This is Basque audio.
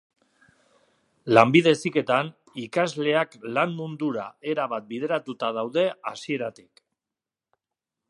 Lanbide heziketan, ikasleak lan mundura erabat bideratuta daude hasieratik.